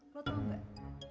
lo tau gak